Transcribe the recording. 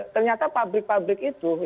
ternyata pabrik pabrik itu